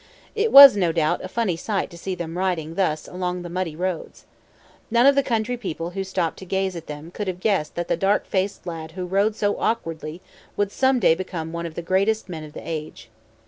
It was, no doubt, a funny sight to see them riding thus along the muddy roads. None of the country people who stopped to gaze at them could have guessed that the dark faced lad who rode so awkwardly would some day become one of the greatest men of the age.